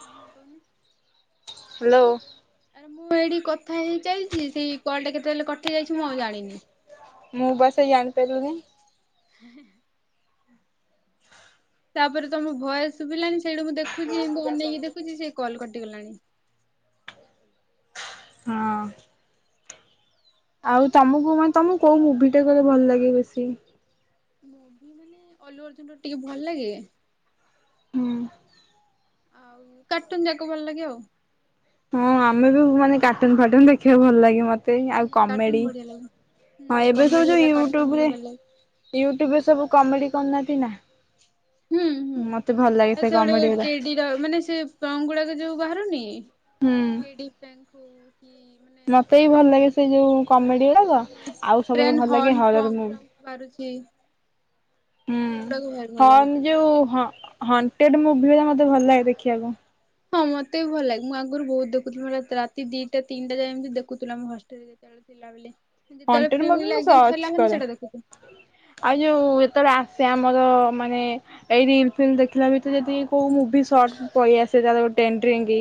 ହଁ କହୁନୁ? ହ୍ୟାଲୋ ମୁଁ ଏଇଠି କଥା ହେଇ ଚାଲିଛି, ସେଇ କଲ ଟା କେତେବେଳେ କଟି ଯାଇଛି ମୁଁ ଆଉ ଜାଣିନି। ମୁଁ ବା ସେଇ ଜାଣି ପାଇଲିନି। ହାଏହେ ତାପରେ ତମ ଭୟସ ଶୁଭିଲାନି। ସେଇଠୁ ମୁଁ ଦେଖୁଛି ଏମତି ଅନେଇକି ଦେଖୁଛି ସେ କଲ୍ କଟିଗଲାଣି। ହଁ। ଆଉ ତମକୁ ମାନେ ତମକୁ କୋଉ ମୁଭି ଟା କହିଲ ଭଲ ଲାଗେ ବେଶୀ? ମୁଭି ମାନେ ଅଲ୍ଲୁ ଅର୍ଜୁନ ର ଟିକେ ଭଲ ଲାଗେ। ହୁଁ। ଆଉ କାର୍ଟୁନ୍ ଯାକୁ ଭଲ ଲାଗେ ଆଉ। ହଁ ଆମେ ବି ମାନେ କାଟୁନ ଫାଟୁନ ଦେଖିଆକୁ ଭଲ ଲାଗେ ମ ତେ ହୁଁ ଆଉ କାର୍ଟୁନ କମେଡି ବଢିଆ ଲାଗେ ହଁ ହୁଁ ଏବେ କମେଡି ସବୁ ଯୋଉ ବାଲା କାର୍ଟୁନ ୟୁଟ୍ୟୁବ ଗୁରା ରେ ଭଲ ଲାଗେ ୟୁଟ୍ୟୁବ ରେ ସବୁ କମେଡି କରୁନାହାନ୍ତି ନା ହୁଁ ମତେ ଭଲ ଲାଗେ ସେ କମେଡି ଗୁରା। ତ ମାନେ ସେ ସଂଗ୍ ଗୁଡାକ ଯୋଉ ବାହାରୁନି। ହୁଁ। କି ପ୍ରାଙ୍କ ହଉ କି ମାନେ ମତେ ବି ଭଲ ଏ ଲାଗେ ସେଇ ଯୋଉ କମେଡି ଗୁଡାକ ଆଉ ସବୁବେଳେ ଭଲ ଲାଗେ ହରର ମୁଭି। ତାରୁଚ୍ଛି ହୁଁ ଭଲ ହଁନ୍ ଲାଗୁଛି। ଯୋଉ ହଁ ହଣ୍ଟେଡ ମୁଭି ଉରା ମତେ ଭଲ ଲାଗେ ଦେଖିବାକୁ। ହଁ ମତେ ବି ଭଲ ଲାଗେ ମୁଁ ଆଗରୁ ବହୁତ ଦେଖୁଥିଲି ର ରାତି ଦିଟା ତିନିଟା ଯାଏଁ ଏମିତି ଦେଖୁଥିଲୁ ଆମ ହଷ୍ଟେଲ ରେ [unintelligible] ଥିଲା ବଲେ ଯେତେବେଳେ କଣ୍ଟେଣ୍ଟ ଫ୍ରି ମୁଭି ମିଳିଲା ମୁଁ ଏକ୍ସାମ ସର୍ଚ୍ଚ ସରିଲା ମାନେ କରେ। ସେଟା ଦେଖୁଥିଲୁ। ଆଉ ଯୋଉ ଏତେବେଳେ ଆସେ ଆମର ମାନେ ଏଇ ରିଲ ଫିଲ୍ ଦେଖିଲା ଭିତ ଯଦି କୋଉ ମୁଭି ସର୍ଟ ପଳେଇ ଆସେ ତାର ଟ୍ରେଣ୍ଡଇଙ୍ଗି।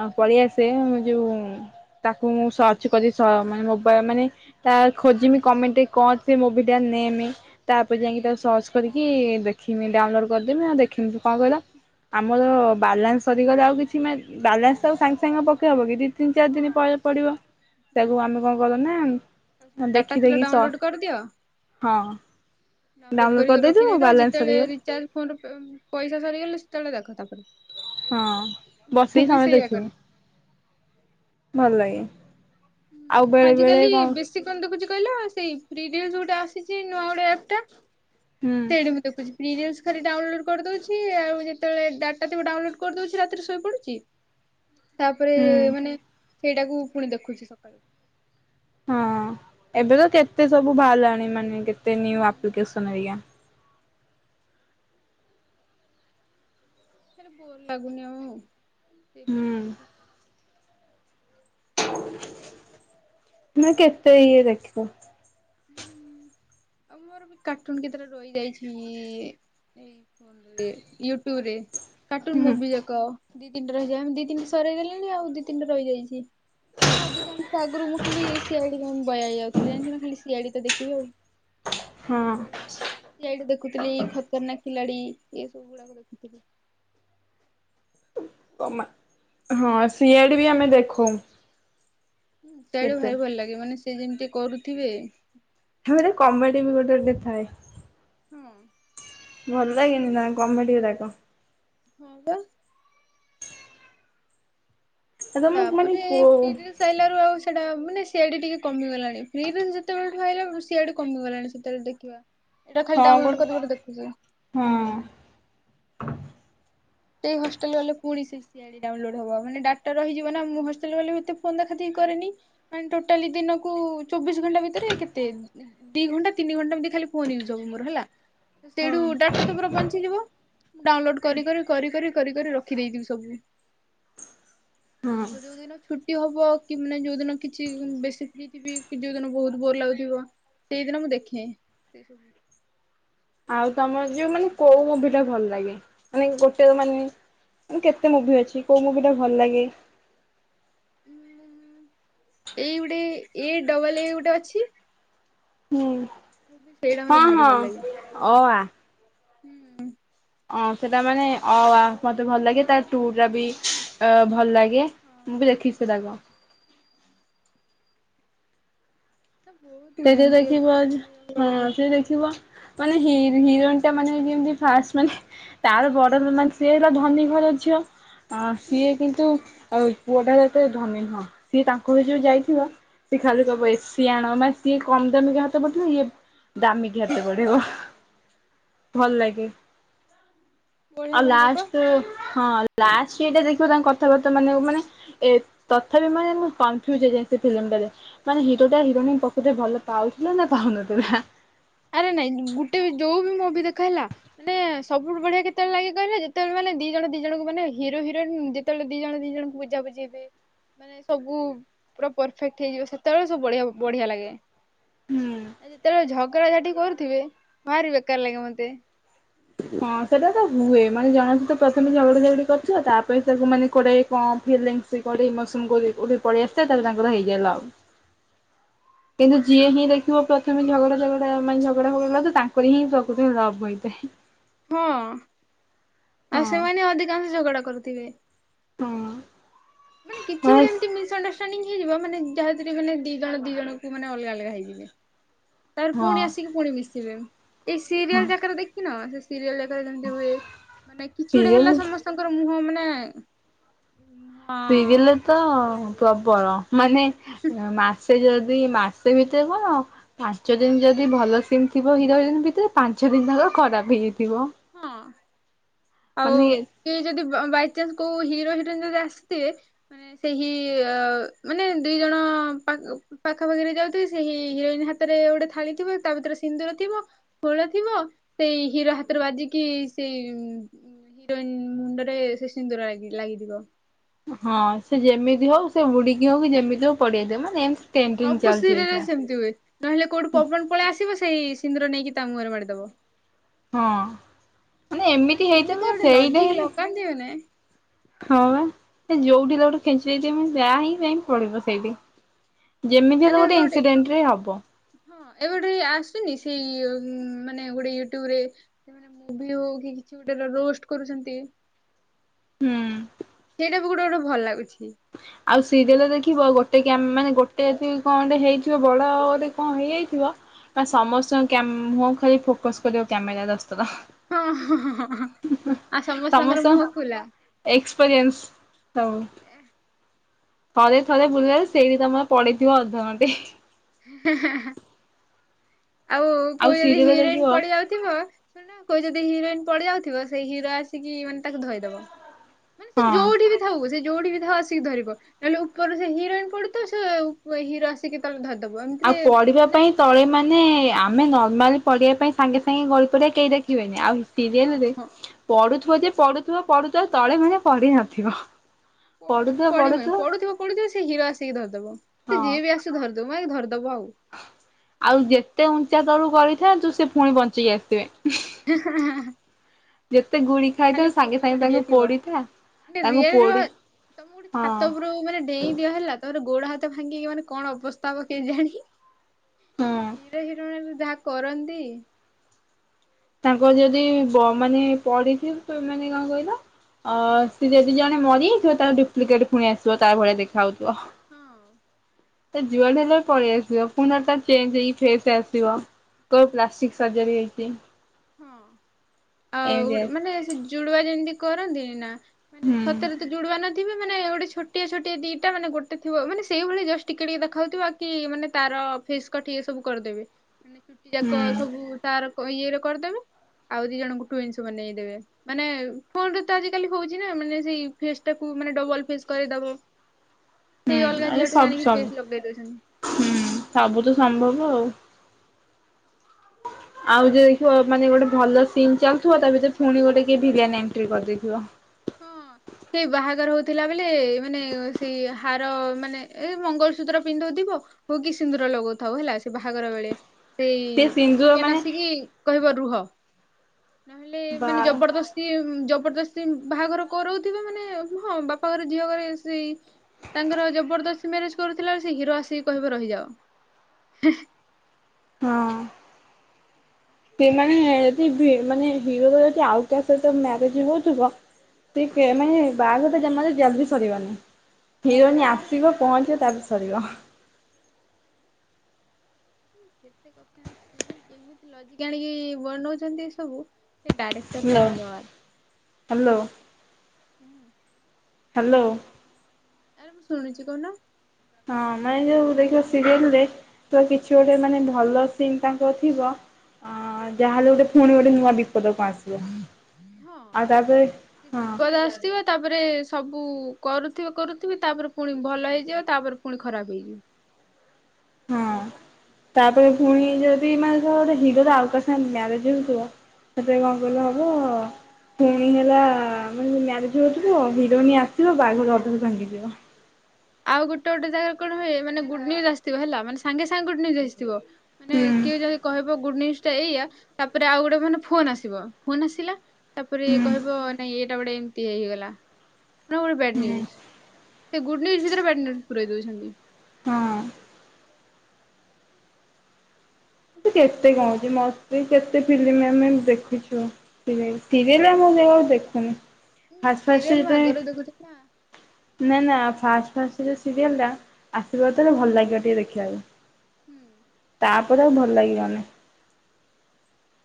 ଆଉ ପଳେଇ ଆସେ ମୁଁ ଯୋଉ ତାକୁ ମୁଁ ସର୍ଚ୍ଚ କରି ସ ମାନେ ମୋବାଇ ମାନେ ତା ଖୋଜିମି କମେଣ୍ଟ କ ସେ ମୁଭି ଟା ନେମେ। ତାପରେ ଯାଇକି ତାକୁ ସର୍ଚ୍ଚ କରିକି ଦେଖିମି ଡାଉନଲୋଡ କରିଦେମି ଆଉ ଦେଖିମି କଣ କହିଲ ଆମର ବାଲାନ୍ସ ସରିଗଲେ ଆଉ କିଛି ମାନେ ବାଲାନ୍ସ ଆଉ ସାଙ୍ଗେ ସାଙ୍ଗ ପକେଇ ହବ କିି ଦି ତିନି ଚାରି ଦିନ ହଁ। ପରେ ପଡିବ ସେଆକୁ ଆମେ କ କରୁ ନା ହଁ ଡାଟା ଦେଖି ଥିଲା ଦେଖି ସ ଡାଉନଲୋଡ କରିଦିଅ ହଁ। ଡାଉନଲୋଡ କରିକି ରଖି କରିଦେଇଥିବୁ ଦେଇଥାଅ ବାଲାନ୍ସ ଯେତେବେଳେ ସରିଗଲେ ରିଚାର୍ଜ ଫୋନର ପେ ପଇସା ସରିଗଲେ ସେତେବେଳେ ଦେଖ ତାପରେ ହଁ ମୁଁ ବସିକି ବି ସମତେ ସେଇଆ କରେ। ଦେଖିମୁ। ଭଲ ଲାଗେ। ହୁଁ ଆଉ ମୁଁ ବେଳେ ବେଳେ ଆଜିକାଲି କଣ ବେଶ ସେ କନ୍ ଦେଖୁଛି କହିଲ ସେଇ ପ୍ରିଡିଉ ଯୋଉଟା ଆସିଚି ନୂଆ ଗୋଟେ ଆପ ଟା ହୁଁ। ସେଇଠି ମୁଁ ଦେଖୁଛି ପ୍ରି ରିଲ୍ସ ଖାଲି ଡାଉନଲୋଡ କରିଦଉଛି ଆଉ ଯେତେବେଳେ ଡାଟା ଥବେ ଡାଉନଲୋଡ୍ କରିଦଉଛି ରାତିରେ ଶୋଇପଡୁଛି। ତାପରେ ହୁଁ ମାନେ ସେଇଟାକୁ ପୁଣି ଦେଖୁଚି ସକାଳୁ। ହଁ ଏବେ ତ କେତେ ସବୁ ବାହାରୀଲାଣି ମାନେ କେତେ ନୀୟୁ ହୁଁ ଆପଲିକେଶନ ହେରିକା। [inaudible] ବୋର ଲାଗୁନି ଆଉ ଦେଖ ହୁଁ ଦେଖି କା। ନା କେତେ ଇଏ ଦେଖିବ। ହୁଁ। ଆଉ ମୋର ବି କାର୍ଟୁନ କେତେଟା ରହିଯାଇଚି ଇ ଇ ଇ ଫୋନରେ ୟୁଟ୍ୟୁବରେ। କାର୍ଟୁନ ହୁଁ ମୁଭି ଯାକ ଆ ଦି ତିିନି ଟା ରହିଯା ଦି ତିିନି ଟା ସରେଇ ଦେଲେଣି ଆଉ ଦି ତିିନି ଟା ରହିଯାଇଛି। ହଁ ଅଧିକାଂଶ ଆଗରୁ ମୁଁ ଖାଲି ସି ଆ ଡି ପାଇଁ ବୟା ହେଇ ଯାଉଥିଲି ଜାଣିିଚୁ ନା ଖାଲି ସିଆଡି ତ ଦେଖିବି ଆଉ। ହଁ। ସି ଆଇ ଡି ଦେଖୁଥିଲି ଖତରନାକ ଖିଲାଡି ଏ ସବୁ ଗୁଡାକୁ ଦେଖୁଥିଲି। ଓ ମା ହଁ ସି ଆଇ ଡି ବି ଆମେ ଦେଖଉଁ। ତେଳୁ ଭାରି ଭଲ ଲାଗେ ମାନେ ସେ ଯେମିତି କରୁଥିବେ। ହଁ ପରା କମେଡି ବି ଗୋଟେ ଗୋଟେ ଥାଏ। ହଁ। ଭଲ ଲାଗେନି ନା କମେଡି ଗୁରାକ। ହଁ ବା। ହେରା ମୁଁ ମାନେ ତାପରେ କୋଉ ଫ୍ରିରେ ସାଇଲାରୁ ଆଉ ଆଉ ସେଇଟା ମାନେ ସିଆଡେ ଟିକେ କମିଗଲାଣି ଫ୍ରିରେ ଯେତେବେଳେଠୁ ଆଇଲା ସିଆଡେ କମିଗଲାଣି ସେତେବେଳେ ଟିକେ। ଏଟା ଖାଲି ହଁ ଗୋ ଡାଉଲୋଡ୍ କରି ଦବ ଦେଖୁଚି। ହଁ। ସେଇ ହଷ୍ଟେଲ ବାଲା ପୁଣି ସେଇ ସିଆ ହେଟା ଆଇଡି ଡାଉଲୋଡ଼ ହବ ମାନେ ଡାଟା ରହିଯିବ ନା ମୁଁ ହଷ୍ଟେଲ ଗଲେ ଏତେ ଫୋନ୍ ଦେଖାଦେଖି କରେନି। ମାନେ ଟୋଟାଲି ଦିନକୁ ଚବିଶ ଘଣ୍ଟା ଭିତରେ କେତେ? ଦି ଘଣ୍ଟା ତିନି ଘଣ୍ଟା ଏମତି ଖାଲି ଫୋନ ଇଉଜ ହବ ମୋର ହେଲା। ତ ହଁ ସେଇଠୁ ଡାଟା ତ ପୁରା ବଞ୍ଚିଯିବ ମୁ ଡାଉଲୋଡ କରି କରି କରି କରି ରଖିଦେଇଥିବି ସବୁ। ହଁ। ଆଉ ଯୋଉ ଦିନ ଛୁଟି ହବ କି ମାନେ ଯୋଉ ଦିନ କିଛି ବେଶୀ ଫ୍ରୀ ଥିବି ଯୋଉ ଦିନ ବହୁତ ବୋର ଲାଗୁଥିବ ସେଇଦିନ ମୁଁ ଦେଖେ ସେ ସବୁ। ଆଉ ତମର ଯୋଉ ମାନେ କୋଉ ମୁଭି ଟା ଭଲ ଲାଗେ ମାନେ ଗୋଟେ ମାନେ ମାନେ କେତେ ମୁଭି ଅଛି କୋଉ ମୁଭି ଟା ଭଲ ଲାଗେ? ଏଇ ଗୋଟେ ଏ ଡବଲ ଏ ଗୋଟେ ଅଛି। ହୁଁ ସେଇଟା ହଁ ମତେ ହଁ ଭାରି ଭଲ ଲାଗେ। ଅ ଆ। ହୁଁ। ଅଁ ସେଟା ମାନେ ଅ ଆ ମତେ ଭଲ ଲାଗେ ତା ଟୁ ଟା ବି ଭଲ ଲାଗେ। ହଁ ମୁଁ ଭଲ ବି ଦେଖିଚି ଲାଗେ। ସେଟାଗ। ତା ବୋହୁତୁ ସେ ଯେ ଦେଖିବ ଆଜ ହଁ ସେ ଦେଖିବ। ମାନେ ହିର ହିରୋଇନ ଟା ମାନେ କେମତି ଫାଷ୍ଟ ମାନେ ତାର ବଡ ମାନେ ସିଏ ହେଲା ଧନୀ ଘର ଝିଅ। ହ ହୁଁ ସିଏ କିନ୍ତୁ ଆ ପୁଅଟା ଏତେ ଧନୀ ନୁହଁ ସିଏ ତାଙ୍କ ଘରୁକୁ ଯୋଉ ଯାଇଥିବ ସିଏ ଖାଲି କହିବ ହୁଁ ଏସି ଆଣ ମନେ ସିଏ କମଦାମିକିଆ ହାତ ପଠେଇବ ଇଏ ଦାମୀକିଆ ହାତ ବଢେଇବ ଭଲ ଲାଗେ। ବଢିଆ ଆଉ ଲାଗେ ପା। ଲାଷ୍ଟ ହଁ ଲାଷ୍ଟଇଟା ଦେଖିବା ତାଙ୍କ କଥାବାର୍ତ୍ତା ମାନେ ମାନେ ଏ ତଥାପି ମାନେ ମୁଁ କନଫ୍ୟୁଜ ହେଇଯାଏ ସେ ଫିଲ୍ମ ଟାରେ ମାନେ ହିରୋଟା ହିରୋଇନ କୁ ପ କୁତରେ ଭଲ ପାଉଥିଲ ନା ପାଉନଥିଲା। ଆରେ ନାଇଁ ଗୋଟେ ବି ଯୋଉ ବି ମୁଭି ଦେଖ ହେଲା ମାନେ ସବୁଠୁ ବଢିଆ କେତବେଳେ ଲାଗେ କହିଲେ ଯେତେବେଳେ ମାନେ ଦି ଜଣ ଦି ଜଣଙ୍କୁ ମାନେ ହିର ହରୋଇନ୍ ଯେ ତବେଳେ ଦି ଜଣ ଦି ଜଣଙ୍କୁ ବୁଝା ବୁଝି ହେଇଥିବେ। ମାନେ ସବୁ ପୁରା ପରଫେକ୍ଟ ହେଇଯିବ ସେତେବେଳେ ସବୁ ବଢ଼ି ବଢିଆ ଲାଗେ। ହୁଁ। ଆ ଯେତବେଳେ ଝଗଡ଼ାଝାଟି କରୁଥିବେ ଭାରି ବେକାର ଲାଗେ ମତେ। ହଁ ସେଟା ତ ହୁଏ ମାନେ ଜଣେତ ପ୍ରଥମେ ଝଗଡା ଝଗଡି କରୁଥିବ ତାପରେ ସେ ମାନେ କୋରେଇ ଙ୍କ ଫିଲୀଙ୍ଗଷ୍ ସେ କଡି ମସୁମ୍ ଗୋଲ ହେଇଥିବ ଉଧେ ପଳେଇ ଆସଚେ ତାହେଲେ ତାଙ୍କର ହେଇଯାଏ ଲଭ। [inaudible] କିନ୍ତୁ ଯିଏ ହିଁ ଦେଖିବ ପ୍ରଥମେ ଝଗଡାଝଗଡା ମାନେ ଝଗଡା ଫଗଡା କିନ୍ତୁ ତାଙ୍କର ହିଁ ପ୍ରକୃତ ହିଁ ଲଭ ହେଇଥାଏ। ହଁ ଆଉ ହଁ ସେମାନେ ଅଧିକାଂଶ ଝଗଡା କରୁଥିବେ। ହଁ। ମାନେ କିଛି ଗୋଟେ ବାସ୍ ଏମତି ମିଶ ଅଣ୍ଡରଷ୍ ଷ୍ଟାଣ୍ଡିଙ୍ଗ ହେଇଯିବ ମାନ ଯାହାଥିରେ ମାନ ଦି ଜଣ ଦି ଜଣଙ୍କୁ ମାନେ ଅଲଗା ଅଲଗା ହେଇଯିବେ। ତାପରେ ହଁ ପୁଣି ଆସିକି ପୁଣି ମିଶିବେ ଏଇ ହଁ ସିରିଏଲ ଯାକାରେ ଦେଖିନ ସେ ସିରିଏଲ ରାକରେ ଯେମିତି ହୁଏ ମାନେ କିଛି ଗୋଟେ ସିରିଏଲ ହେଲା ସମସ୍ତଙ୍କର ମୁହଁ ମାନେ ମୁହଁ ସିରିଏଲ ତ ଖୋଲା ହେଇଯିବ ପ୍ରବଳ ମାନେ ମାସ ସେ ଯଦି ମାସେ ଭିତରେ କଣ ପାଞ୍ଚ ଦିନ ଯଦି ଭଲ ସିନ ଥିବ ହିରୋ ହିରୋଇନ ଭିତରେ ପାଞ୍ଚ ଦିନ ଯାଙ୍କ ଖରାପ ହେଇଯାଇଥିବ। ହଁ ଆଉ ମାନେ କିଏ ଯଦି ବ ବାଇଚନ୍ସ କୋଉ ହିରୋ ହିରୋଇନ ଯଦି ଆସିଥିବେ ମାନେ ସେଇ ହି ମାନେ ଦୁଇ ଜଣ ପା ଉ ପାଖାପାଖିରେ ଯାଉଥିବି ସେ ହି ହିରୋଇନ ହାତରେ ଗୋଟ ଥାଳି ଥିବ ତା ଭିତରେ ସିନ୍ଦୁର ଥିବ ବୋଳ ଥିବ ସେଇ ହିର ହା ତର ବାଜିକି ସେଇ [unintelligible] ହିରୋଇନ ମୁଣ୍ଡରେ ସେ ସିନ୍ଦୁର ଲାଗି ଲାଗିଯିବ। ହଁ ସେ ଯେମିତି ହୋଉ ସେ ବୁଢିକି ହୋଉ କି ଯେମିତି ହୋଉ ପଡେଇ ଦିଏ ମାନେ ଟ୍ରେଣ୍ଡିଙ୍ଗ ଚାଲଚି ଏଇଖିଣା। ଯୋଉ ଏ ନହେଲେ କୋଉଠୁ ପବନ ପଳେଇ ଆସିବ ସେଇ ସିନ୍ଦୁର ନେଇକି ତା ମୁହଁରେ ମାଡିଦବ ହଁ ଏମିତି ମାନେ ହେଇଥିବ କେମିତି ଗୋଟେ ସେଇଟା ଲଜିକ ହିଁ ଲଗାନ୍ତିି ଏମାନେ ହଁ ପା ସେ ଯୋଉଠି ହେଲେ ଗୋଟେ ଖୁଞ୍ଚି [unintelligible] ଯାହା ହିଁ ପାଇଁ ପଡିବ ସେଇଠି। ଯେମିତି ହେଲେ ଆରେ ଏବେ ଗୋଟେ ଇନସିଡେଣ୍ଟରେ ହବ। ହଁ ଏବେ ଗୋଟେ ଆସୁନି ସେଇ ଉଁମ୍ ମାନେ ଗୋଟେ ୟୁଟ୍ୟୁବରେ ମାନେ ମୁଭି ହୋଉ କି କିଛି ଗୋଟେ ରୋଷ୍ଟର କରୁଛନ୍ତି। ହୁଁ। ସେଇଟା ବି ଗୋଟେ ଗୋଟେ ଭଲ ଲାଗୁଛି। ଆଉ ସିରିଏଲରେ ଦେଖିବ ଗୋଟେ କ୍ୟାମ୍ ମାନେ ଗୋଟେ କି କଣ ଗୋଟେ ହେଇଥିବ ବଡଟେ କଣ ହେଇଯାଇଥିବ ମାନେ ସମସ୍ତଙ୍କ କ୍ୟାମ୍ ମୁଁହକୁ ଖାଲି ଫୋକସ କରିବ କ୍ୟାମେରା ଦଶ ଥର। ହଁ ହଁ ହଁ ହଁ ହଁ ଆଉ ସମସ୍ତଙ୍କର ସମସ୍ତଙ୍କ ମୁହଁ ଖୁଲା। ଏକ୍ସପେରିଏନ୍ସ ହଉ। ଥରେ ଥରେ ବୁଲେ ସେଇଠି ତମର ପଳେଇଥିବ ଅଧଘଣ୍ଟେ। ହାଁ ହାଁ ହାଁ ହାଁ। ଆଉ କୋଉ ଯଦି ସିରିଏଲ ଦେଖିବ ହିରୋଇନ ହଁ। ପଡିଯାଉ ଥିବ ଶୁଣନ କୋଉ ଯଦି ହିରୋଇନ ପଡି ଯାଉଥିବ ସେଇ ହିରୋ ଆସିକି ମାନେ ତାକୁ ଧଇଦବ। ମାନେ ସେ ଯୋଉଠି ବି ଥାଉ ସେ ଯୋଉଠି ବି ଥାଉ ଆସିକି ଧରିବ ନହେଲେ ଉପର ସେ ହିରୋଇନ ପଡୁଥିବ ସେ ଉପ ହିର ଆସ ଆସିକି ତଳେ ଧରିଦବ ଏମ ଆଉ ପଢିବା ପାଇଁ ତଳେ ମାନେ ଆମେ ନର୍ମାଲି ପଡିବା ପାଇଁ ସାଙ୍ଗେ ସାଙ୍ଗେ ଗଳି ପଡିଆ କେହି ଦେଖିବେନି ଆଉ ହିସ୍ ସିରିଏଲରେ ହଁ ହଁ ପଡୁଥୁବ ଯିଏ ପଡୁଥୁବ ପଡୁଥୁବ ଆଉ ତଳେ ମାନେ ପଡିନଥିବ। ପଡ ପଡିବନି ପଡୁଥିବ ପଡୁଥିବ ସେ ହିରୋ ଆସିକି ଧରିଦବ ହଁ ସେ ଯିଏ ବି ଆସ୍ ସିଏ ଧରଦବ ମୁଁ ଆଗେ ଧରଦବ ଆଉ। ଆଉ ଯେତେ ଉଞ୍ଚା ତଳୁ ଗଳିଥାନ୍ତୁ ସିଏ ଫୁଣି ବଞ୍ଚିକି ଆସଥିବେ। ହେଁ ହେଁ ହେଁ ହେଁ। ଯେତେ ଗୁଳି ଖାଇଥାଉ ସାଙ୍ଗେ ସାଙ୍ଗେ ଫାଟି ତାଙ୍କୁ ଯାଇଥିବ ପୋଡିଥା ତାଙ୍କୁ ପୋଡି ତମୁକୁ ଗୋଟେ ହଁ ଛାତ ଉପରୁ ମାନେ ଡେଇଁ ଦିଆହେଲା ତାପର ଗୋଡ ହାତ ଭାଙ୍ଗିକି ମାନେ କଣ ଅବସ୍ତା ହବ କେଜାଣି। ସେ ହୁଁ। ହିରୋ ହିରୋଇଣିକୁ ଯାହା କରନ୍ତି ତାଙ୍କ ଯଦି ବ ମାନେ ପଡିଥିବ ତ ଏ ମାନେ କଣ କହିଲ ଅ ସିଏ ଯଦି ଜଣେ ମରିଯାଇଥିବ ତାର ଡୁପ୍ଲିକେଟ ଫୁଣି ଆସିବ ତା ଭଳିଆ ଦେଖାଯାଉଥୁବ। ହଁ ତ ଯୁଆଡୁ ହେଲେ ପଳେଇ ଆସିବ ପୁଣି ଥରେ ତାର ଚେଞ୍ଜ ହେଇ ଫେର ସେ ଆସିବ। କହିବ ପ୍ଲାଷ୍ଟିକ ସର୍ଜରୀ ହେଇଚି। ହଁ ଆଉ ଏମିତି ଗୋଟେ ମାନେ ସେଇ ଜୁଡ୍ୱା ଯେମତି କରନ୍ତିନି ନା ମାନେ ହୁଁ ସତରେ ତ ଜୁଡ୍ୱା ନ ତିବି ମାନେ ଗୋଟେ ଛୋଟିଆ ଛୋଟିଆ ଦିଇଟା ମାନେ ଗୋଟେ ଥିବ ମାନେ ସେଇ ଭଳି ଜଷ୍ଟିକେ ଟିକି ଦେଖାହଉଥିବ ଆଉ କି ମାନେ ତାର ଫେସ୍ କଟ୍ ଇଏ ସବୁ କରିଦେବେ ହେନେ ଚୁଟି ହୁଁ ଯାକ ସବୁ ତାର କ ଇଏରେ କରିଦେବେ‌। ଆଉ ଦି ଜଣଙ୍କୁ ଟୁଇନ୍ସ ବନେଇଦେବେ। ମାନେ ଫୋନ୍ ରେ ତ ଆଜିିକାଲି ହୋଉଚି ନାଁ ମାନେ ସେଇ ଫେସ୍ ଟାକୁ ମାନେ ଡବଲ୍ ଫେସ୍ କରେଇଦବ। ସେଇ ହୁଁ ଅଲଗା ଆରେ ଝିଅଟେ ସବୁ ଜାଣିକି ସବୁ ଫେସ୍ ଲଗେଇ ଦୋଉଚନ୍ତି। ହୁଁ ସବୁ ତ ସମ୍ଭବ ଆଉ। ଆଉ ଯୋଉ ଦେଖିବ ମାନେ ଗୋଟେ ଭଲ ସିନ୍ ଚାଲଥୁବ ତା ଭିତରେ ଫୁଣି ଗୋଟେ କିଏ ଭିଲିଆନ୍ ଏଣ୍ଟ୍ରି କରିଦେଇଥିବ। ହଁ। ସେଇ ବାହାଘର ହୋଉଥିଲା ବେଳେ ମାନେ ସେଇ ହାର ମାନେ ଏଇ ମଙ୍ଗଳସୂତ୍ର ପିନ୍ଧଉଥିବ ହୁ କିି ସିନ୍ଦୁର ଲଗଉଥାଉ ହେଲା ସେ ବାହାଘର ବେଳେ। ସେଇ ସେ ସିନ୍ଦୁର ଭିଲିଆନ୍ ମାନେ ଆସିକି କହିବ ରୁହ ନହେଲେ ବା ମାନେ ଜବରଦସ୍ ସିଏ ଜବରଦସ୍ତି ବାହାଘର କରଉଥିବେ ମାନେ ହଁ ବାପା ଘରେ ଝିଅ ଘରେ ଏସି ତାଙ୍କର ଜବରଦସ୍ତି ମ୍ୟାରେଜ କରୁଥିଲାଳେ ସେ ହିରୋ ଆସିକି କହିବ ରହିଯାଅ। ହେଁ ହେଁ ସେ ମାନେ ଯଦି ମାନେ ହିରୋ ଯଦି ଆଉ କା ସହିତ ମ୍ୟାରେଜ ହଉଥିବ ସେ କେ ମାନେ ବାହାଘତ ଜମା ଯେ ଜଲଦି ସରିବନି। ହିରୋଇନୀ ଆସିବ ପହଞ୍ଚିବ ତାପରେ ସରିବ। କେତେ କଥା ଅଛି କେମିତି ଲଜିକି ଆଣିକି ବନୋଉଚନ୍ତି ସବୁ ସେ ଡାଇରେକ୍ଟରକୁ ହ୍ୟାଲୋ ଧନ୍ୟବାଦ ହ୍ୟାଲୋ ହୁଁ। ହାଲୋ। ଆରେ ମୁଁ ଶୁଣିଚି କହୁନ? ହଁ ମାନେ ଯୋଉ ଦେଖିବ ସିରିଏଲରେ ତକିଛି ଗୋଟେ ମାନେ ଭଲ ସିନ୍ ତାଙ୍କର ଥିବ ଅଁ ଯାହାହେଲେ ଗୋଟେ ପୁଣି ଗୋଟେ ନୂଆ ବିପଦ କଣ ଆସିବ। ହଁ। ଆଉ ତାପରେ ହଁ। [unintelligible] ତାପରେ ସବୁ କରୁଥିବେ କରୁଥିବେ ତାପରେ ପୁଣି ଭଲ ହେଇଯିବ ତାପରେ ପୁଣି ଖରାପ୍ ହେଇଯିବ। ହଁ [inaudible] ତାପରେ ପୁଣି ଯଦି ମାନେ ଧର ଗୋଟେ ହିରୋର ଆଉକାସାଙ୍ଗେ ମ୍ୟାରେଜ୍ ହଉଥିବ ସେତିରେ କଣ କହିଲ ହବ ପୁଣି ହେଲା ମାନେ ମ୍ୟାରେଜ୍ ହୋଉଥିବ ହିରୋଇନ ଆସିବ ବାହାଘର ଅଧାରୁ ଭାଙ୍ଗିଯିବ। ଆଉ ଗୋଟେ ଗୋଟେ ଜାଗାରେ କଣ ହୁଏ ମାନେ ଆସିଥିବ ହେଲା ମାନେ ସାଙ୍ଗେ ସାଙ୍ଗେ ଗୁଡ଼ ନିୁଜ୍ୟ୍ ଆସିଥିବ ମାନେ ହୁଁ କିଏ ଯଦି କହିବ ଗୁଡ଼ ନିୟୁଜ୍ ଏଇଆ ତାପରେ ଆଉ ଗୋଟେ ମାନେ ଫୋନ୍ ଆସିବ ଫୋନ୍ ଆସିଲା ତାପରେ ହୁଁ କହିବ ନାଇଁ ଏଇଟା ଗୋଟେ ଏମିତି ହେଇଗଲା। ପୁଣି ଗୋଟେ ବ୍ୟାଡ଼ ହୁଁ ନିୟୁଜ୍ ସେଗୁଡ଼ ନିୟୁଜ୍ ଭିତରେ ବ୍ୟାଡ଼ ନିୟୁଜ୍ ପୁରେଇ ଦଉଛନ୍ତି। ହଁ। ଏମିତି କେତେ କଣ ଅଛି ମତେ କେତେ ଫିଲ୍ମ ଆମେ ଦେଖୁଛୁ। ସିରିଏଲ୍ ସିରିଏଲ୍ ମୁଁବି ଆଉ ଦେଖୁନି। ନାଇଁ ଫାଷ୍ଟ ଫାଷ୍ଟ ସିରିଏଲ୍ ମୁଁ ଯେତେବେଳେ ଆଗରୁ ଦେଖୁଥିନି ଆ ନା ନା ଫାଷ୍ଟ ଫାଷ୍ଟ ସେ ସିରିଏଲ୍ ଟା ଆସିବ ଯେତେଳେ ଭଲ ଲାଗିବ ଟିକେ ଦେଖିବାକୁ। ହୁଁ। ତାପରେ ଆଉ ଭଲ ଲାଗିବନି।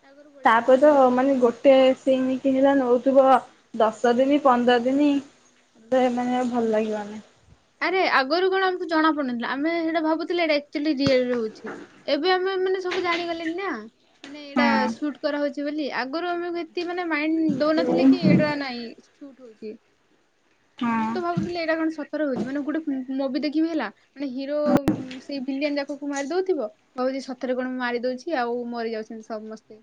ଆଗରୁ ବଢିଆ ତାପରେତ ଲାଗୁଥିଲା ମାନେ ସିରିଏଲ୍ ଗୋଟେ ସେମିତି ହେଲା ନଉଥିବ ଦଶ ଦିନି ପନ୍ଦର ଦିନି ମତେ ମାନେ ଆଉ ଭଲ ଲାଗିବନି। ଆରେ ଆଗୁରୁ କଣ ଆମକୁ ଜଣା ପଡ଼ୁନଥିଲା ଆମେ ସେଇଟା ଭାବୁଥିଲେ ଏଟା ଆକ୍ଚୁଆଲି ଜିଆରରେ ହଉଚି ଏବେ ଆମେ ମାନେ ସବୁ ଜାଣିଗଲେଣିନା ମାନେ ଏଇଟା ହଁ ସୁଟ୍ କରା ହଉଚି ବୋଲି ଆଗରୁ ଆମେ ଏ ଏତେ ମାଇଣ୍ଡ ଦଉନଥିଲେକି ଏଇଟା ନାଇଁ ସୁଟ୍ ହଉଚି। ମୁଁ ତ ଭାବୁଥିଲି ଏଇରା କଣ ସତରେ ହଉଚି ମାନେ ଗୋଟେ ମୋଭିି ଦେଖିବି ହେଲା ମାନେ ହିରୋ ସେଇ ଭିଲିଆନ ଯାକକୁ ମାରି ଦଉଥିବ କଉଛି ସତରେ କଣ ମୁଁ ମାରି ଦଉଚି ଆଉ ମରିଯାଉଛନ୍ତି ସମସ୍ତେ।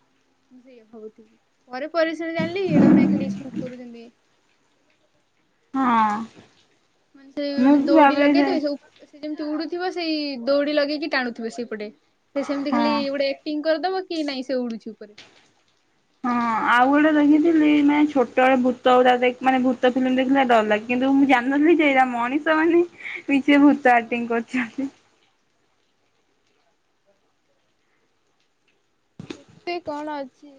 ମୁଁ ସେଇଆ ଭାବୁଥିଲି ପରେ ପରେ ସିନା ଜାଣିଲି ଏଇଟାକୁ ନାଇଁ ଖାଲି ସୁଟ୍ କରୁଚନ୍ତି। ହଁ। ମାନେ ସେଇ ମୁଁ ଗୋଟେ ବି ଦୌଡ଼ି ଭାବେ ଲଗେଇବେ ହଁ। ସବୁ ସେ ଯେମିତି ଉଡ଼ୁଥିବ ସେଇ ଦଉଡ଼ି ଲଗେଇକି ଟାଣୁଥିବେ ସେଇପଟେ। ସେ ସେମିତି ଖାଲି ଗୋଟେ ଆକ୍ଟିଂ କରିଦବ କି ନାଇଁ ସେ ଉଡୁଛି ଉପରେ। ହଁ ଆଉ ଗୋଟେ ଦେଖିଥିଲି ମାନେ ଛୋଟବେଳେ ଭୂତ ଗୁଡ଼ାଦେଖି ମାନେ ଭୂତ ଫିଲ୍ମ ଦେଖିଲେ ଡର ଲାଗ କିନ୍ତୁ ମୁଁ ଜାନିନଥିଲି କିଏଇରା ମଣିଷମାନେ ନିଜେ ଭୂତ ଆଟିଂ କରୁଛନ୍ତି। କେତେ କଣ ଅଛି।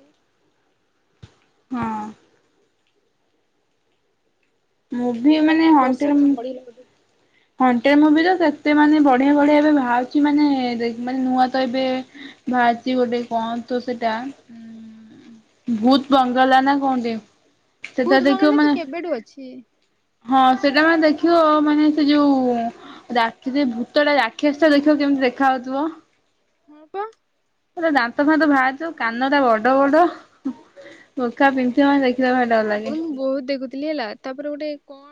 ହଁ। ମୁଭି ଆମର ମାନେ ଏଠିକି ବର୍ଷା ହଣ୍ଟେଡ଼୍ ମୁ ଟିକେ ବଢିଲା [unintelligible] ହଣ୍ଟେଡ଼ ମୁଭି ତ ସେତେ ମାନେ ବଢ଼ିଆ ବଢ଼ିଆ ଏବେ ଭାରୁଚି ମାନେ ଦେ ମାନେ ନୂଆ ତ ଏବେ ଭାରିଚି ଗୋଟେ କଣ ତ ସେଟା? ଭୂତ୍ ବଙ୍ଗଲା ନାଁ କଅଁଟେ? ଭୂତ୍ ବଙ୍ଗଲା ତ କେବେଠୁ ଅଛି। ହଁ ସେଟା ମାନେ ଦେଖିବ ମାନେ ସେ ଯୋଉ ରାତିରେ ଭୂତଟା ରାକ୍ଷାସଟା ଦେଖିବ କେମିତି ଦେଖା ହଉଥୁବ? ହଁ ପା। ପୁରା ଦାନ୍ତ ଫାନ୍ତ ଭାରିଥିବ କାନରା ବଡ଼ ବଡ଼ ମୁଖା ପିନ୍ଧିଥିବ ମାନେ ଦେଖିଲେ ଭାରି ଏ ଡର ଲାଗେ। ଆଗୁରୁ ମୁଁ ବୋହୁତ ଦେଖୁଥିଲି ହେଲା ତାପରେ ଗୋଟେ କଁ